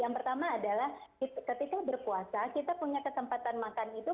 yang pertama adalah ketika berpuasa kita punya kesempatan makan itu